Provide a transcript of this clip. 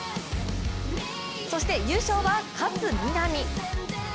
そして、優勝は勝みなみ。